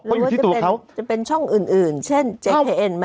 เพราะอยู่ที่ตัวเขาจะเป็นช่องอื่นอื่นเช่นเจ็กเทอร์เอ็นไหม